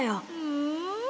うん？